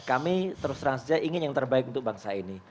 kami terus terang saja ingin yang terbaik untuk bangsa ini